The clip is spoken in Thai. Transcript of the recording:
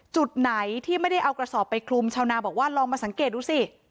จุดไหนที่ไม่ได้เอากระสอบไปคลุมชาวนาบอกว่าลองมาสังเกตดูสิ